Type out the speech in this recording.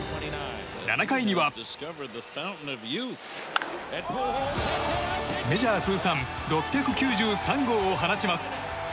７回にはメジャー通算６９３号を放ちます。